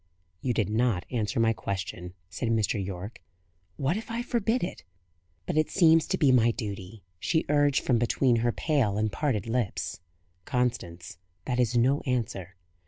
"You did not answer my question," said Mr. Yorke. "What if I forbid it?" "But it seems to be my duty," she urged from between her pale and parted lips. "Constance, that is no answer."